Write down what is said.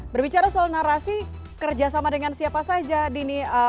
berbicara soal narasi kerjasama dengan siapa saja dini